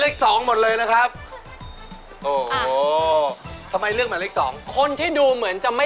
ขอถามให้เล็กหนึ่งค่ะ